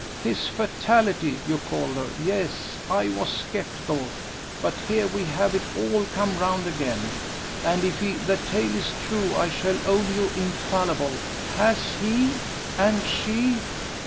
"His fatality! you called her. Yes, I was sceptical. But here we have it all come round again, and if the tale is true, I shall own you infallible. Has he? and she?"